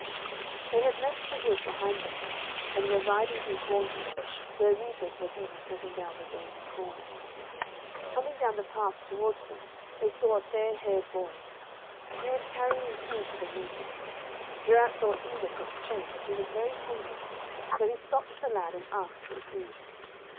They had left the wood behind them now, and were riding through cornfields, where reapers were busy cutting down the waving corn. Coming down the path towards them, they saw a fair haired boy. He was carrying food to the reapers. Geraint thought Enid looked faint, and he was very hungry, so he stopped the lad and asked for food.